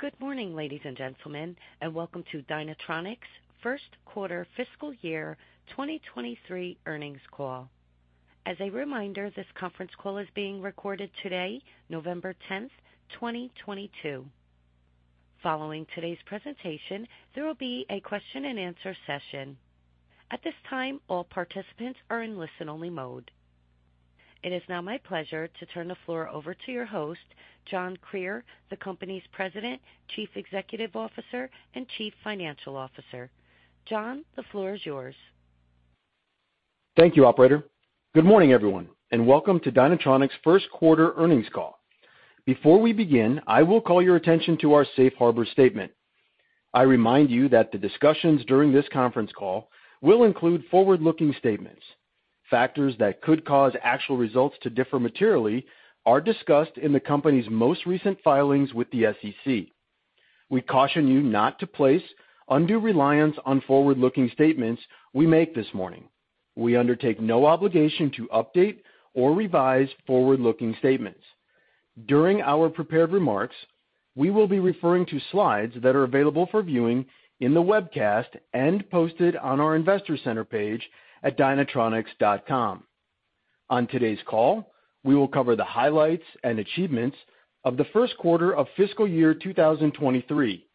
Good morning, ladies and gentlemen, and welcome to Dynatronics First Quarter Fiscal Year 2023 Earnings Call. As a reminder, this conference call is being recorded today, November 10th, 2022. Following today's presentation, there will be a question-and-answer session. At this time, all participants are in listen-only mode. It is now my pleasure to turn the floor over to your host, John Krier, the company's President, Chief Executive Officer, and Chief Financial Officer. John, the floor is yours. Thank you, operator. Good morning, everyone, and welcome to Dynatronics First Quarter Earnings Call. Before we begin, I will call your attention to our safe harbor statement. I remind you that the discussions during this conference call will include forward-looking statements. Factors that could cause actual results to differ materially are discussed in the company's most recent filings with the SEC. We caution you not to place undue reliance on forward-looking statements we make this morning. We undertake no obligation to update or revise forward-looking statements. During our prepared remarks, we will be referring to slides that are available for viewing in the webcast and posted on our investor center page at dynatronics.com. On today's call, we will cover the highlights and achievements of the first quarter of fiscal year 2023,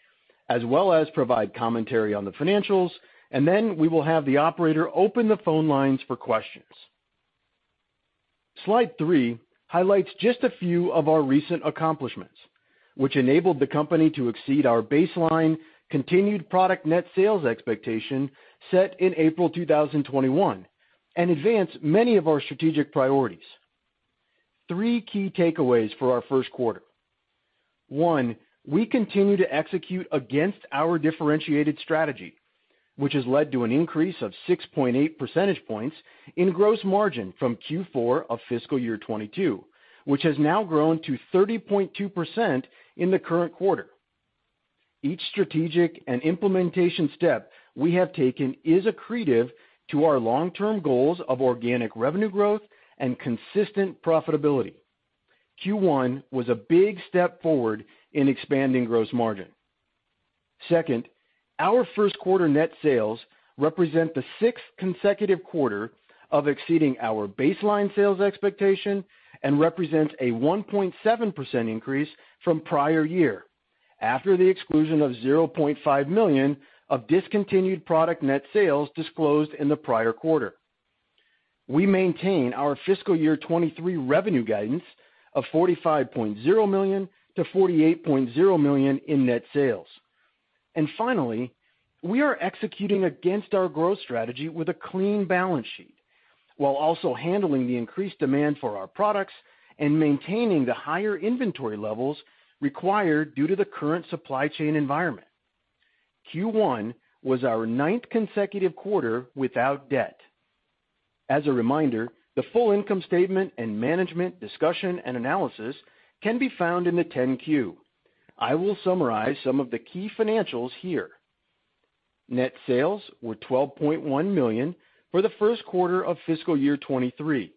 as well as provide commentary on the financials, and then we will have the operator open the phone lines for questions. Slide three highlights just a few of our recent accomplishments, which enabled the company to exceed our baseline continued product net sales expectation set in April 2021 and advance many of our strategic priorities. Three key takeaways for our first quarter. One, we continue to execute against our differentiated strategy, which has led to an increase of 6.8 percentage points in gross margin from Q4 of fiscal year 2022, which has now grown to 30.2% in the current quarter. Each strategic and implementation step we have taken is accretive to our long-term goals of organic revenue growth and consistent profitability. Q1 was a big step forward in expanding gross margin. Second, our first quarter net sales represent the sixth consecutive quarter of exceeding our baseline sales expectation and represents a 1.7% increase from prior year after the exclusion of $0.5 million of discontinued product net sales disclosed in the prior quarter. We maintain our fiscal year 2023 revenue guidance of $45.0 million-$48.0 million in net sales. Finally, we are executing against our growth strategy with a clean balance sheet, while also handling the increased demand for our products and maintaining the higher inventory levels required due to the current supply chain environment. Q1 was our ninth consecutive quarter without debt. As a reminder, the full income statement and management discussion and analysis can be found in the 10-Q. I will summarize some of the key financials here. Net sales were $12.1 million for the first quarter of fiscal year 2023.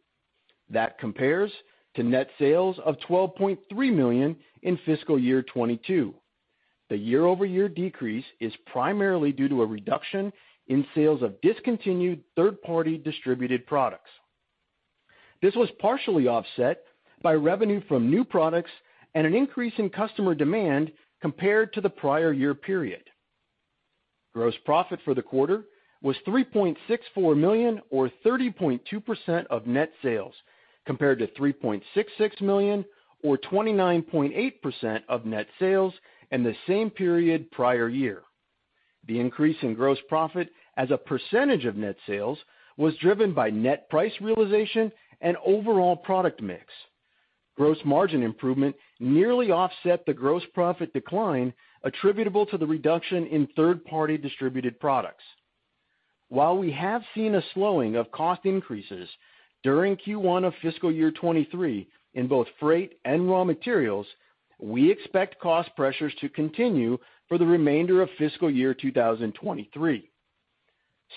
That compares to net sales of $12.3 million in fiscal year 2022. The year-over-year decrease is primarily due to a reduction in sales of discontinued third-party distributed products. This was partially offset by revenue from new products and an increase in customer demand compared to the prior year period. Gross profit for the quarter was $3.64 million or 30.2% of net sales, compared to $3.66 million or 29.8% of net sales in the same period prior year. The increase in gross profit as a percentage of net sales was driven by net price realization and overall product mix. Gross margin improvement nearly offset the gross profit decline attributable to the reduction in third-party distributed products. While we have seen a slowing of cost increases during Q1 of fiscal year 2023 in both freight and raw materials, we expect cost pressures to continue for the remainder of fiscal year 2023.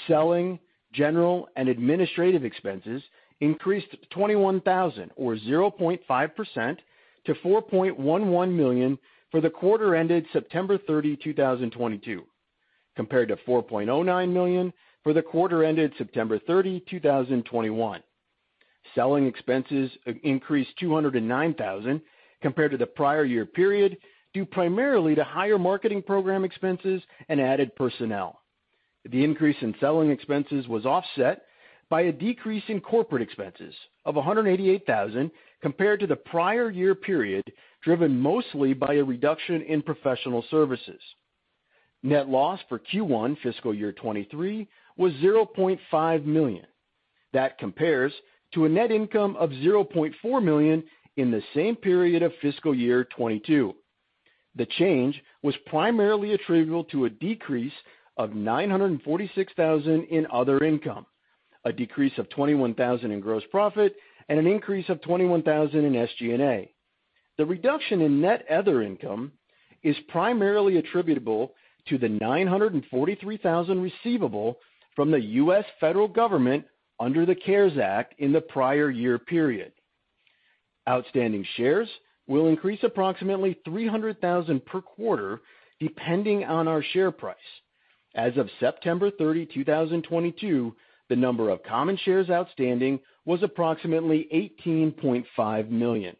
Selling, general, and administrative expenses increased $21,000 or 0.5% to $4.11 million for the quarter ended September 30, 2022, compared to $4.09 million for the quarter ended September 30, 2021. Selling expenses increased $209,000 compared to the prior year period, due primarily to higher marketing program expenses and added personnel. The increase in selling expenses was offset by a decrease in corporate expenses of $188,000 compared to the prior year period, driven mostly by a reduction in professional services. Net loss for Q1 fiscal year 2023 was $0.5 million. That compares to a net income of $0.4 million in the same period of fiscal year 2022. The change was primarily attributable to a decrease of $946,000 in other income, a decrease of $21,000 in gross profit, and an increase of $21,000 in SG&A. The reduction in net other income is primarily attributable to the $943,000 receivable from the U.S. Federal Government under the CARES Act in the prior year period. Outstanding shares will increase approximately 300,000 per quarter depending on our share price. As of September 30, 2022, the number of common shares outstanding was approximately 18.5 million.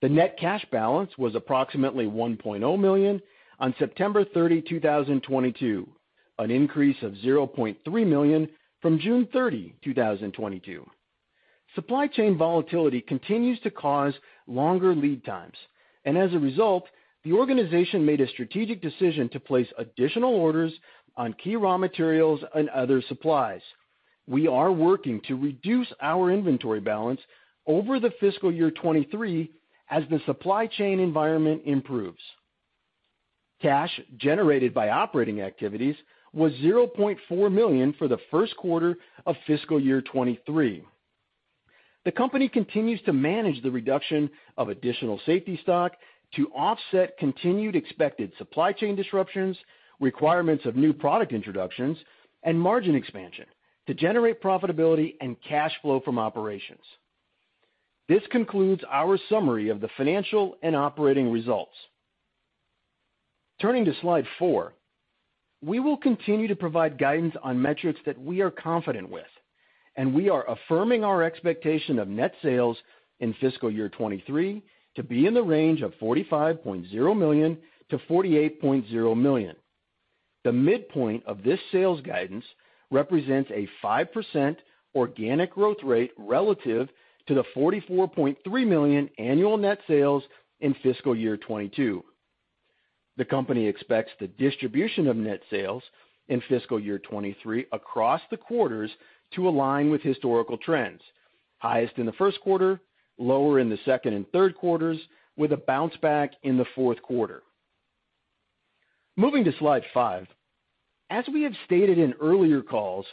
The net cash balance was approximately $1.0 million on September 30, 2022, an increase of $0.3 million from June 30, 2022. Supply chain volatility continues to cause longer lead times, and as a result, the organization made a strategic decision to place additional orders on key raw materials and other supplies. We are working to reduce our inventory balance over the fiscal year 2023 as the supply chain environment improves. Cash generated by operating activities was $0.4 million for the first quarter of fiscal year 2023. The company continues to manage the reduction of additional safety stock to offset continued expected supply chain disruptions, requirements of new product introductions, and margin expansion to generate profitability and cash flow from operations. This concludes our summary of the financial and operating results. Turning to slide four. We will continue to provide guidance on metrics that we are confident with, and we are affirming our expectation of net sales in fiscal year 2023 to be in the range of $45.0 million-$48.0 million. The midpoint of this sales guidance represents a 5% organic growth rate relative to the $44.3 million annual net sales in fiscal year 2022. The company expects the distribution of net sales in fiscal year 2023 across the quarters to align with historical trends, highest in the first quarter, lower in the second and third quarters, with a bounce back in the fourth quarter. Moving to slide five. As we have stated in earlier calls,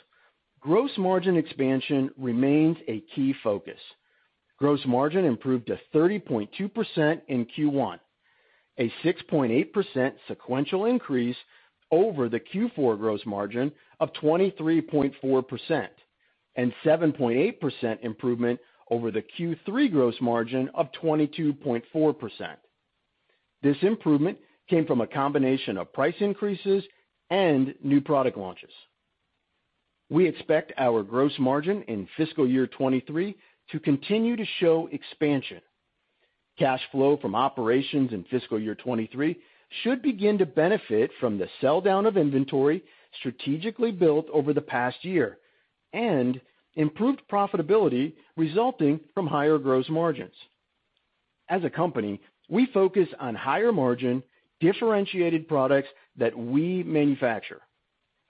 gross margin expansion remains a key focus. Gross margin improved to 30.2% in Q1, a 6.8% sequential increase over the Q4 gross margin of 23.4% and 7.8% improvement over the Q3 gross margin of 22.4%. This improvement came from a combination of price increases and new product launches. We expect our gross margin in fiscal year 2023 to continue to show expansion. Cash flow from operations in fiscal year 2023 should begin to benefit from the sell down of inventory strategically built over the past year and improved profitability resulting from higher gross margins. As a company, we focus on higher margin differentiated products that we manufacture.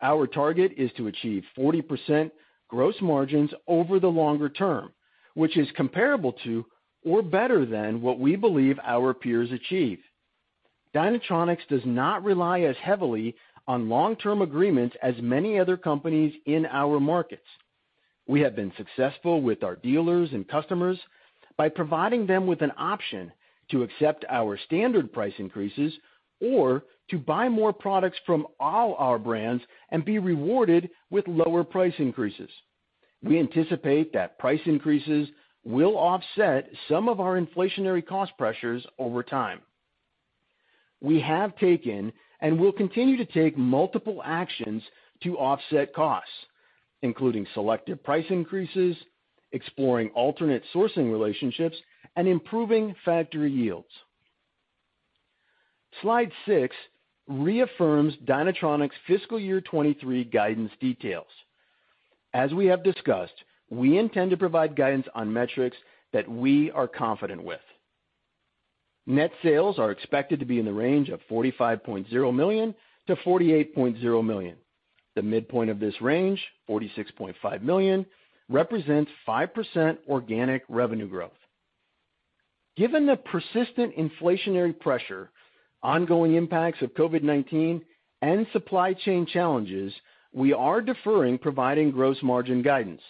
Our target is to achieve 40% gross margins over the longer term, which is comparable to or better than what we believe our peers achieve. Dynatronics does not rely as heavily on long term agreements as many other companies in our markets. We have been successful with our dealers and customers by providing them with an option to accept our standard price increases or to buy more products from all our brands and be rewarded with lower price increases. We anticipate that price increases will offset some of our inflationary cost pressures over time. We have taken and will continue to take multiple actions to offset costs, including selective price increases, exploring alternate sourcing relationships, and improving factory yields. Slide six reaffirms Dynatronics fiscal year 2023 guidance details. As we have discussed, we intend to provide guidance on metrics that we are confident with. Net sales are expected to be in the range of $45.0 million-$48.0 million. The midpoint of this range, $46.5 million, represents 5% organic revenue growth. Given the persistent inflationary pressure, ongoing impacts of COVID-19, and supply chain challenges, we are deferring providing gross margin guidance.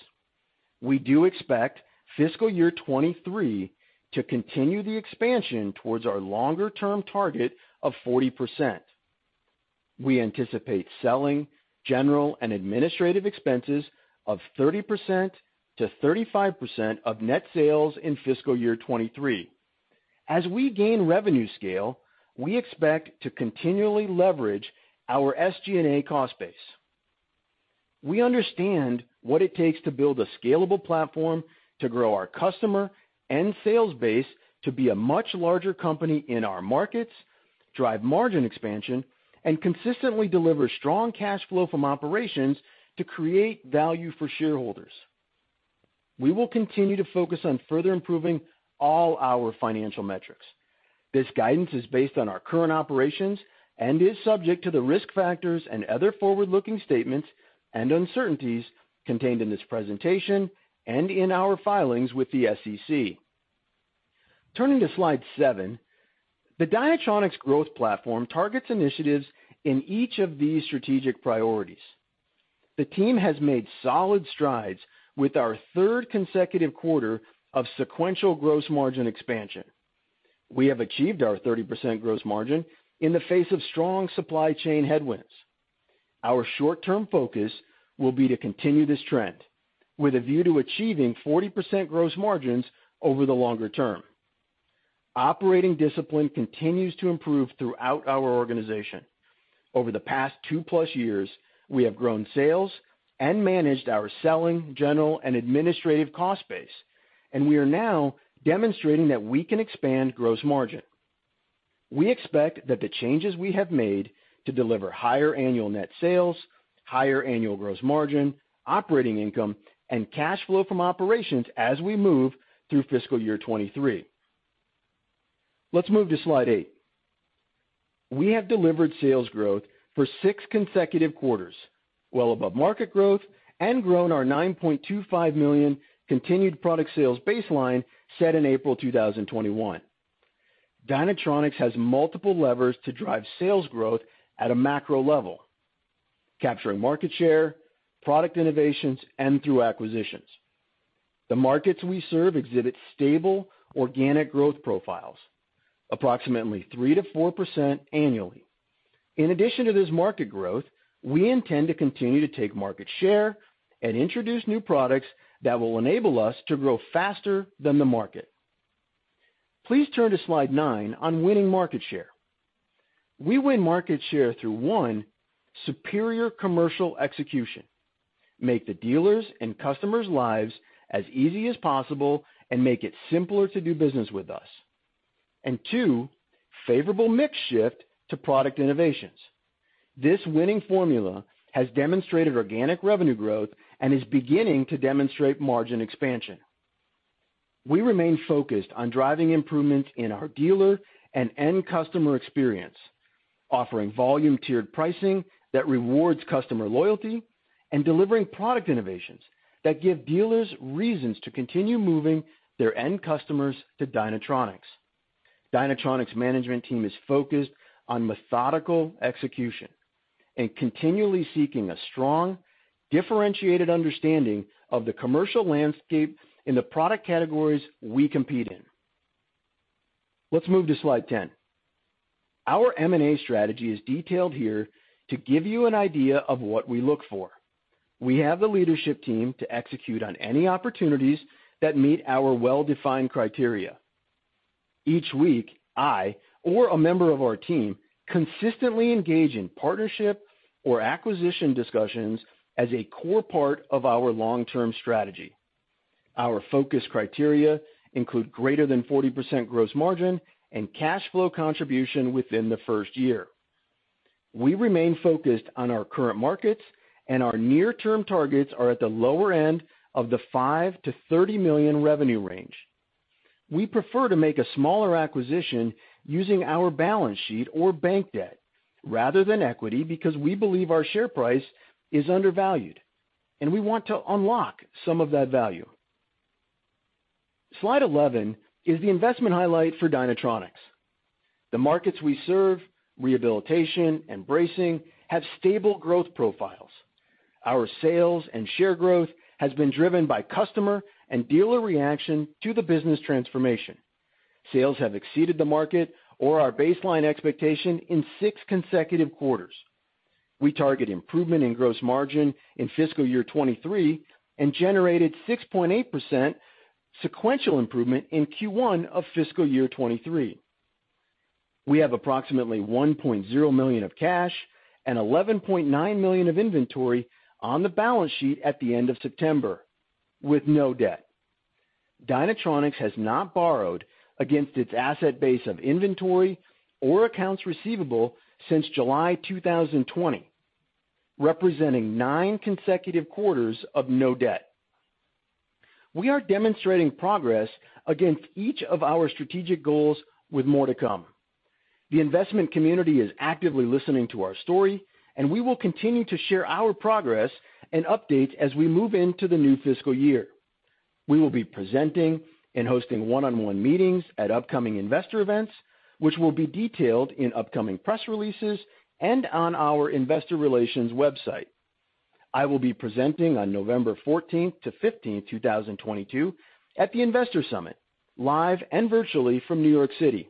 We do expect fiscal year 2023 to continue the expansion towards our longer term target of 40%. We anticipate selling, general and administrative expenses of 30%-35% of net sales in fiscal year 2023. As we gain revenue scale, we expect to continually leverage our SG&A cost base. We understand what it takes to build a scalable platform to grow our customer and sales base to be a much larger company in our markets, drive margin expansion and consistently deliver strong cash flow from operations to create value for shareholders. We will continue to focus on further improving all our financial metrics. This guidance is based on our current operations and is subject to the risk factors and other forward-looking statements and uncertainties contained in this presentation and in our filings with the SEC. Turning to slide seven. The Dynatronics growth platform targets initiatives in each of these strategic priorities. The team has made solid strides with our third consecutive quarter of sequential gross margin expansion. We have achieved our 30% gross margin in the face of strong supply chain headwinds. Our short-term focus will be to continue this trend with a view to achieving 40% gross margins over the longer term. Operating discipline continues to improve throughout our organization. Over the past 2+ years, we have grown sales and managed our selling, general, and administrative cost base, and we are now demonstrating that we can expand gross margin. We expect that the changes we have made to deliver higher annual net sales, higher annual gross margin, operating income, and cash flow from operations as we move through fiscal year 2023. Let's move to slide eight. We have delivered sales growth for six consecutive quarters, well above market growth and grown our $9.25 million continued product sales baseline set in April 2021. Dynatronics has multiple levers to drive sales growth at a macro level, capturing market share, product innovations, and through acquisitions. The markets we serve exhibit stable organic growth profiles approximately 3%-4% annually. In addition to this market growth, we intend to continue to take market share and introduce new products that will enable us to grow faster than the market. Please turn to slide nine on winning market share. We win market share through, one, superior commercial execution. Make the dealers' and customers' lives as easy as possible and make it simpler to do business with us. Two, favorable mix shift to product innovations. This winning formula has demonstrated organic revenue growth and is beginning to demonstrate margin expansion. We remain focused on driving improvements in our dealer and end customer experience, offering volume tiered pricing that rewards customer loyalty and delivering product innovations that give dealers reasons to continue moving their end customers to Dynatronics. Dynatronics' management team is focused on methodical execution and continually seeking a strong differentiated understanding of the commercial landscape in the product categories we compete in. Let's move to slide 10. Our M&A strategy is detailed here to give you an idea of what we look for. We have the leadership team to execute on any opportunities that meet our well-defined criteria. Each week, I or a member of our team consistently engage in partnership or acquisition discussions as a core part of our long-term strategy. Our focus criteria include greater than 40% gross margin and cash flow contribution within the first year. We remain focused on our current markets, and our near-term targets are at the lower end of the $5-$30 million revenue range. We prefer to make a smaller acquisition using our balance sheet or bank debt rather than equity because we believe our share price is undervalued and we want to unlock some of that value. Slide 11 is the investment highlight for Dynatronics. The markets we serve, rehabilitation and bracing, have stable growth profiles. Our sales and share growth has been driven by customer and dealer reaction to the business transformation. Sales have exceeded the market or our baseline expectation in six consecutive quarters. We target improvement in gross margin in fiscal year 2023 and generated 6.8% sequential improvement in Q1 of fiscal year 2023. We have approximately $1.0 million of cash and $11.9 million of inventory on the balance sheet at the end of September with no debt. Dynatronics has not borrowed against its asset base of inventory or accounts receivable since July 2020, representing 9 consecutive quarters of no debt. We are demonstrating progress against each of our strategic goals with more to come. The investment community is actively listening to our story, and we will continue to share our progress and updates as we move into the new fiscal year. We will be presenting and hosting one-on-one meetings at upcoming investor events, which will be detailed in upcoming press releases and on our investor relations website. I will be presenting on November 14th to 15th, 2022 at the Investor Summit, live and virtually from New York City.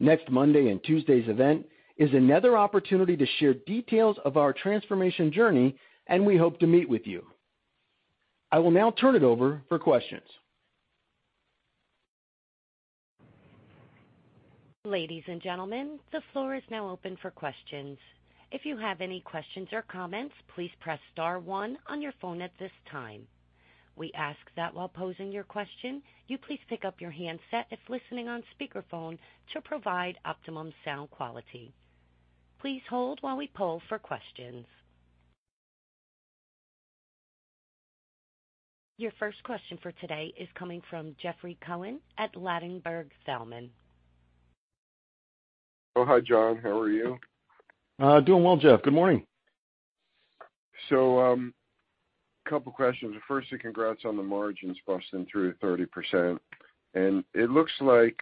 Next Monday and Tuesday's event is another opportunity to share details of our transformation journey and we hope to meet with you. I will now turn it over for questions. Ladies and gentlemen, the floor is now open for questions. If you have any questions or comments, please press star one on your phone at this time. We ask that while posing your question, you please pick up your handset if listening on speakerphone to provide optimum sound quality. Please hold while we poll for questions. Your first question for today is coming from Jeffrey Cohen at Ladenburg Thalmann. Oh, hi, John. How are you? Doing well, Jeffrey. Good morning. A couple questions. First, congrats on the margins busting through 30%. It looks like,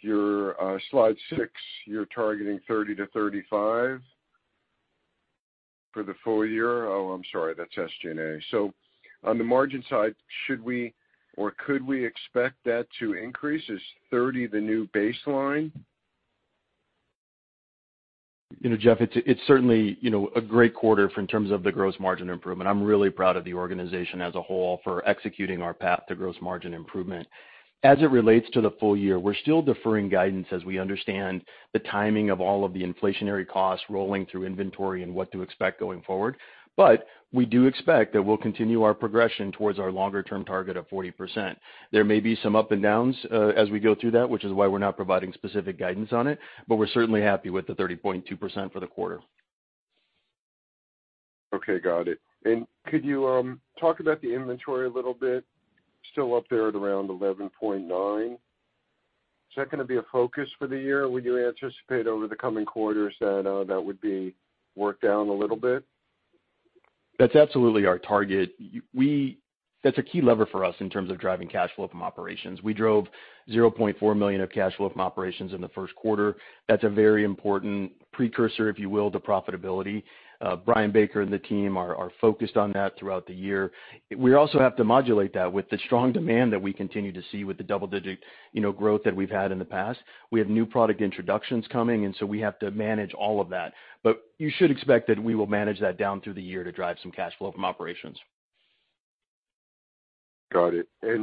Your slide six, you're targeting 30-35 for the full year. Oh, I'm sorry, that's SG&A. On the margin side, should we or could we expect that to increase? Is 30 the new baseline? You know, Jeff, it's certainly, you know, a great quarter for in terms of the gross margin improvement. I'm really proud of the organization as a whole for executing our path to gross margin improvement. As it relates to the full year, we're still deferring guidance as we understand the timing of all of the inflationary costs rolling through inventory and what to expect going forward. We do expect that we'll continue our progression towards our longer-term target of 40%. There may be some ups and downs as we go through that, which is why we're not providing specific guidance on it, but we're certainly happy with the 30.2% for the quarter. Okay, got it. Could you talk about the inventory a little bit? Still up there at around $11.9. Is that gonna be a focus for the year? Would you anticipate over the coming quarters that that would be worked down a little bit? That's absolutely our target. That's a key lever for us in terms of driving cash flow from operations. We drove $0.4 million of cash flow from operations in the first quarter. That's a very important precursor, if you will, to profitability. Brian Baker and the team are focused on that throughout the year. We also have to modulate that with the strong demand that we continue to see with the double-digit, you know, growth that we've had in the past. We have new product introductions coming, and so we have to manage all of that. You should expect that we will manage that down through the year to drive some cash flow from operations. Got it. As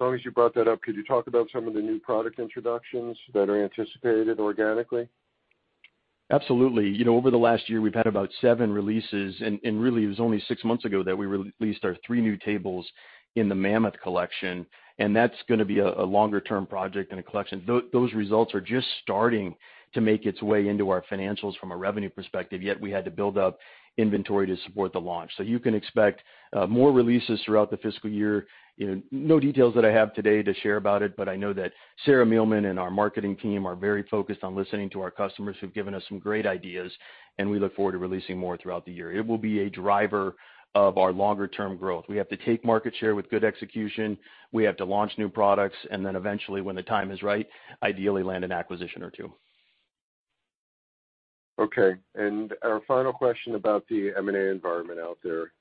long as you brought that up, could you talk about some of the new product introductions that are anticipated organically? Absolutely. You know, over the last year, we've had about seven releases. Really it was only six months ago that we re-released our three new tables in the Mammoth Collection, and that's gonna be a longer-term project and a collection. Those results are just starting to make its way into our financials from a revenue perspective, yet we had to build up inventory to support the launch. You can expect more releases throughout the fiscal year. You know, no details that I have today to share about it, but I know that Sarah Rome-Meulman and our marketing team are very focused on listening to our customers who've given us some great ideas, and we look forward to releasing more throughout the year. It will be a driver of our longer-term growth. We have to take market share with good execution, we have to launch new products, and then eventually, when the time is right, ideally land an acquisition or two. Okay. Our final question about the M&A environment out there,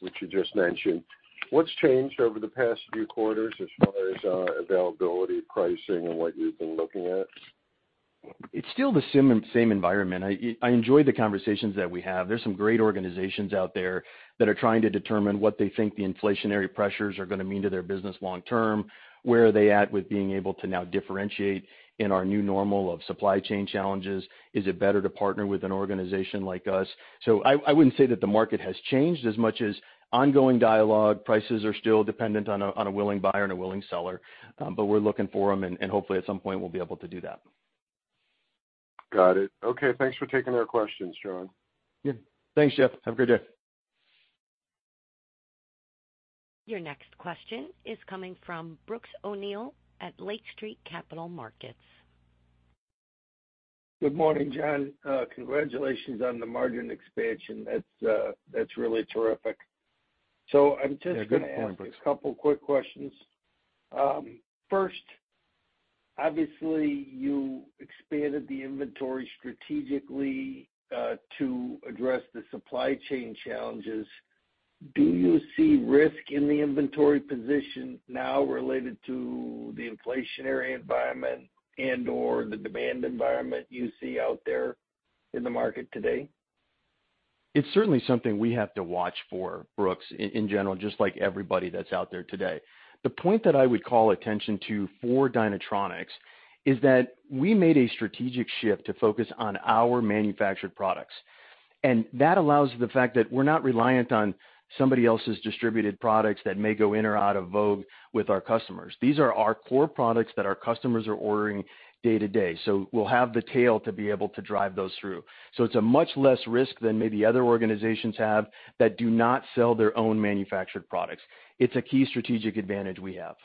which you just mentioned. What's changed over the past few quarters as far as availability, pricing, and what you've been looking at? It's still the same environment. I enjoy the conversations that we have. There's some great organizations out there that are trying to determine what they think the inflationary pressures are gonna mean to their business long term, where are they at with being able to now differentiate in our new normal of supply chain challenges? Is it better to partner with an organization like us? I wouldn't say that the market has changed as much as ongoing dialogue. Prices are still dependent on a willing buyer and a willing seller. We're looking for them and hopefully at some point we'll be able to do that. Got it. Okay, thanks for taking our questions, John. Yeah. Thanks, Jeff. Have a great day. Your next question is coming from Brooks O'Neil at Lake Street Capital Markets. Good morning, John. Congratulations on the margin expansion. That's really terrific. I'm just gonna ask- Yeah, good point, Brooks. A couple quick questions. First, obviously, you expanded the inventory strategically, to address the supply chain challenges. Do you see risk in the inventory position now related to the inflationary environment and/or the demand environment you see out there in the market today? It's certainly something we have to watch for, Brooks, in general, just like everybody that's out there today. The point that I would call attention to for Dynatronics is that we made a strategic shift to focus on our manufactured products, and that allows the fact that we're not reliant on somebody else's distributed products that may go in or out of vogue with our customers. These are our core products that our customers are ordering day to day, so we'll have the tailwind to be able to drive those through. It's a much less risk than maybe other organizations have that do not sell their own manufactured products. It's a key strategic advantage we have.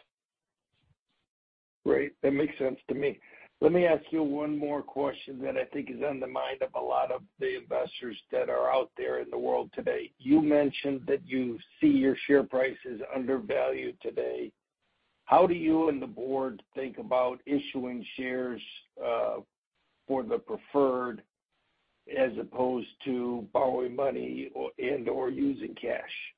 Great. That makes sense to me. Let me ask you one more question that I think is on the mind of a lot of the investors that are out there in the world today. You mentioned that you see your share price is undervalued today. How do you and the board think about issuing shares for the preferred as opposed to borrowing money and/or using cash?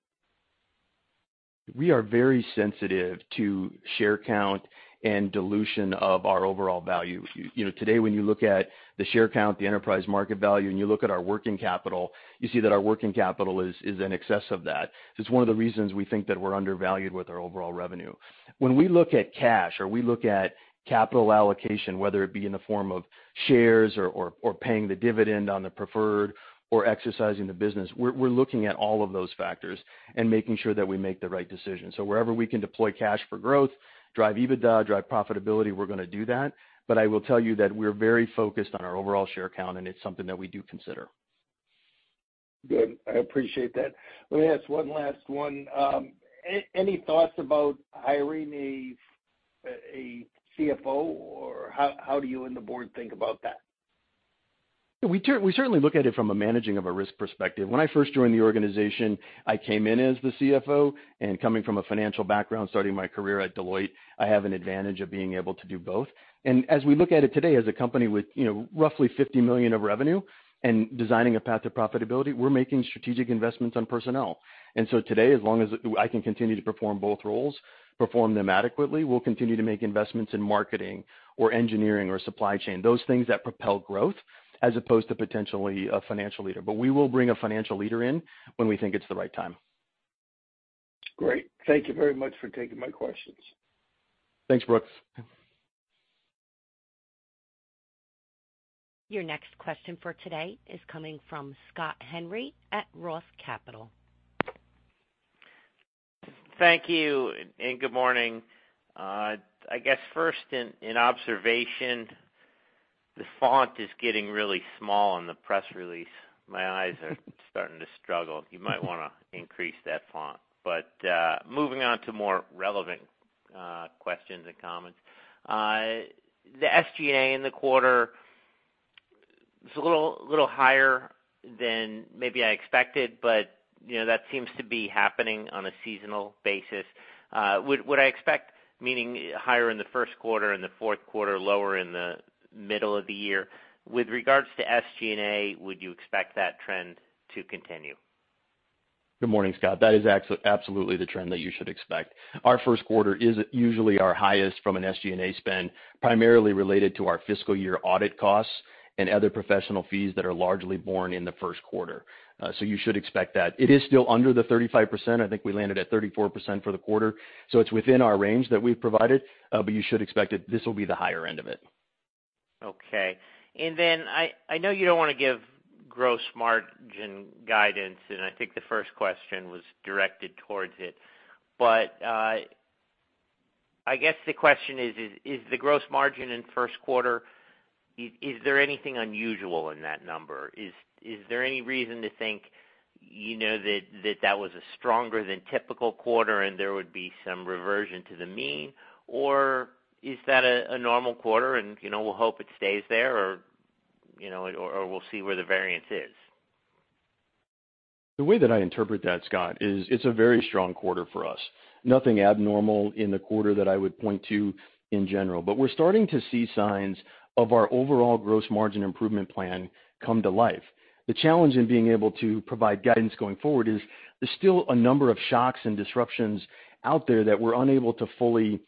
We are very sensitive to share count and dilution of our overall value. You know, today, when you look at the share count, the enterprise market value, and you look at our working capital, you see that our working capital is in excess of that. It's one of the reasons we think that we're undervalued with our overall revenue. When we look at cash or we look at capital allocation, whether it be in the form of shares or paying the dividend on the preferred or exercising the business, we're looking at all of those factors and making sure that we make the right decision. Wherever we can deploy cash for growth, drive EBITDA, drive profitability, we're gonna do that. I will tell you that we're very focused on our overall share count, and it's something that we do consider. Good. I appreciate that. Let me ask one last one. Any thoughts about hiring a CFO or how do you and the board think about that? We certainly look at it from a managing of a risk perspective. When I first joined the organization, I came in as the CFO, and coming from a financial background starting my career at Deloitte, I have an advantage of being able to do both. As we look at it today as a company with, you know, roughly $50 million of revenue and designing a path to profitability, we're making strategic investments on personnel. Today, as long as I can continue to perform both roles, perform them adequately, we'll continue to make investments in marketing or engineering or supply chain, those things that propel growth as opposed to potentially a financial leader. We will bring a financial leader in when we think it's the right time. Great. Thank you very much for taking my questions. Thanks, Brooks. Your next question for today is coming from Scott Henry at Roth Capital Partners. Thank you and good morning. I guess first in observation, the font is getting really small on the press release. My eyes are starting to struggle. You might wanna increase that font. Moving on to more relevant questions and comments. The SG&A in the quarter is a little higher than maybe I expected, but you know, that seems to be happening on a seasonal basis. Would I expect, meaning higher in the first quarter and the fourth quarter, lower in the middle of the year? With regards to SG&A, would you expect that trend to continue? Good morning, Scott. That is absolutely the trend that you should expect. Our first quarter is usually our highest from an SG&A spend, primarily related to our fiscal year audit costs and other professional fees that are largely borne in the first quarter. You should expect that. It is still under the 35%. I think we landed at 34% for the quarter. It's within our range that we've provided, but you should expect it. This will be the higher end of it. Okay. I know you don't wanna give gross margin guidance, and I think the first question was directed towards it, but I guess the question is the gross margin in first quarter, is there anything unusual in that number? Is there any reason to think, you know, that that was a stronger than typical quarter and there would be some reversion to the mean? Or is that a normal quarter and, you know, we'll hope it stays there or, you know, we'll see where the variance is? The way that I interpret that, Scott, is it's a very strong quarter for us. Nothing abnormal in the quarter that I would point to in general. We're starting to see signs of our overall gross margin improvement plan come to life. The challenge in being able to provide guidance going forward is there's still a number of shocks and disruptions out there that we're unable to fully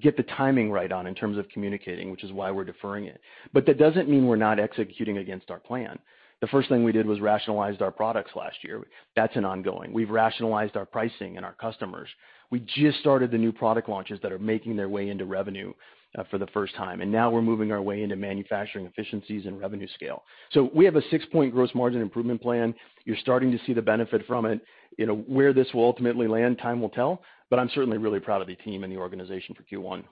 get the timing right on in terms of communicating, which is why we're deferring it. That doesn't mean we're not executing against our plan. The first thing we did was rationalized our products last year. That's an ongoing. We've rationalized our pricing and our customers. We just started the new product launches that are making their way into revenue for the first time, and now we're moving our way into manufacturing efficiencies and revenue scale. We have a six-point gross margin improvement plan. You're starting to see the benefit from it. You know, where this will ultimately land, time will tell, but I'm certainly really proud of the team and the organization for Q1.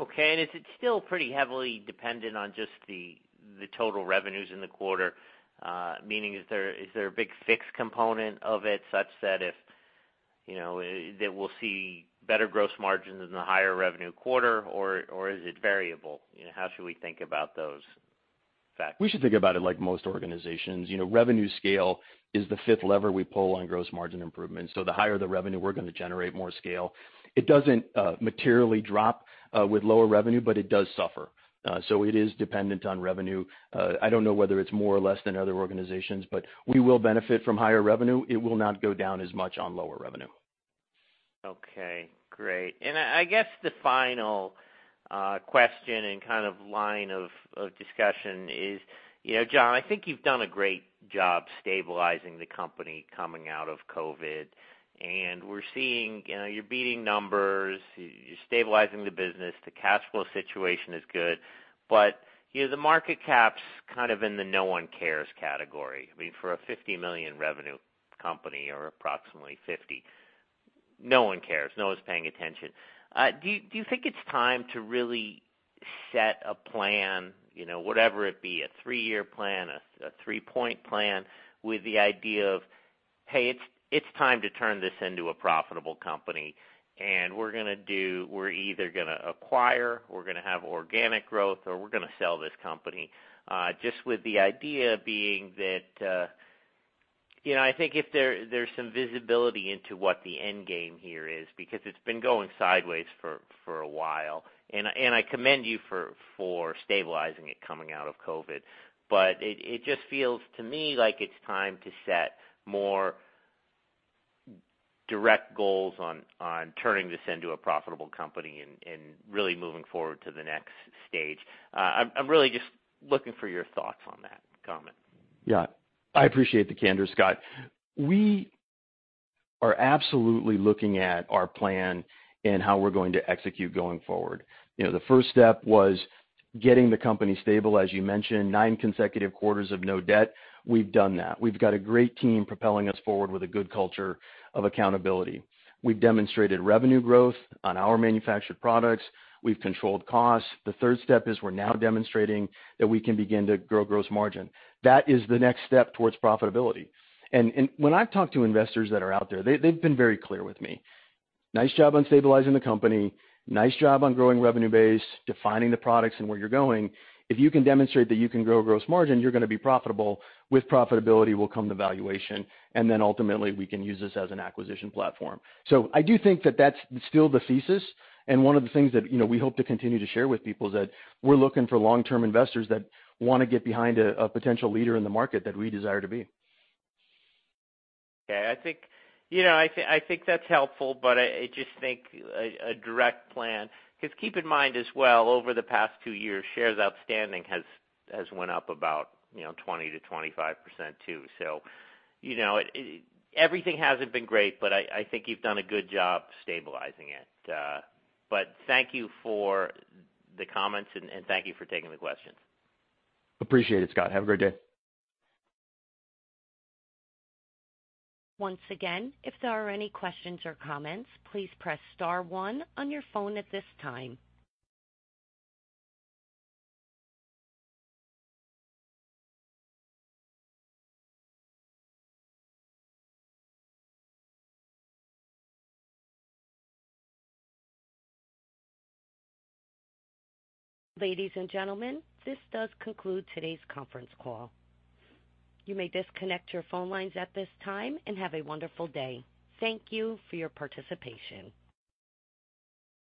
Okay. Is it still pretty heavily dependent on just the total revenues in the quarter? Meaning is there a big fixed component of it such that if, you know, that we'll see better gross margins in the higher revenue quarter or is it variable? You know, how should we think about those facts? We should think about it like most organizations. You know, revenue scale is the fifth lever we pull on gross margin improvement. The higher the revenue, we're gonna generate more scale. It doesn't materially drop with lower revenue, but it does suffer. It is dependent on revenue. I don't know whether it's more or less than other organizations, but we will benefit from higher revenue. It will not go down as much on lower revenue. Okay, great. I guess the final question and kind of line of discussion is, you know, John Krier, I think you've done a great job stabilizing the company coming out of COVID, and we're seeing, you know, you're beating numbers, you're stabilizing the business, the cash flow situation is good, but, you know, the market cap's kind of in the no one cares category. I mean, for a $50 million revenue company or approximately $50 million, no one cares. No one's paying attention. Do you think it's time to really set a plan, you know, whatever it be, a three-year plan, a three-point plan with the idea of, hey, it's time to turn this into a profitable company, and we're either gonna acquire, we're gonna have organic growth, or we're gonna sell this company? Just with the idea being that, you know, I think if there's some visibility into what the end game here is, because it's been going sideways for a while. I commend you for stabilizing it coming out of COVID, but it just feels to me like it's time to set more direct goals on turning this into a profitable company and really moving forward to the next stage. I'm really just looking for your thoughts on that comment. Yeah. I appreciate the candor, Scott. We are absolutely looking at our plan and how we're going to execute going forward. You know, the first step was getting the company stable, as you mentioned, 9 consecutive quarters of no debt. We've done that. We've got a great team propelling us forward with a good culture of accountability. We've demonstrated revenue growth on our manufactured products. We've controlled costs. The third step is we're now demonstrating that we can begin to grow gross margin. That is the next step towards profitability. When I've talked to investors that are out there, they've been very clear with me. Nice job on stabilizing the company, nice job on growing revenue base, defining the products and where you're going. If you can demonstrate that you can grow gross margin, you're gonna be profitable. With profitability will come the valuation, and then ultimately, we can use this as an acquisition platform. I do think that that's still the thesis, and one of the things that, you know, we hope to continue to share with people is that we're looking for long-term investors that wanna get behind a potential leader in the market that we desire to be. Okay. I think, you know, that's helpful, but I just think a direct plan. 'Cause keep in mind as well, over the past two years, shares outstanding has went up about, you know, 20%-25% too. You know, everything hasn't been great, but I think you've done a good job stabilizing it. Thank you for the comments and thank you for taking the questions. Appreciate it, Scott. Have a great day. Once again, if there are any questions or comments, please press star one on your phone at this time. Ladies and gentlemen, this does conclude today's conference call. You may disconnect your phone lines at this time and have a wonderful day. Thank you for your participation.